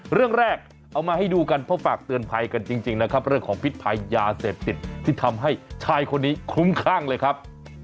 เรื่องแรกเอามาให้ดูกันเพราะฝากเตือนภัยกันจริงนะครับเรื่องของพิษภัยยาเสพติดที่ทำให้ชายคนนี้คลุ้มคลั่งเลยครับ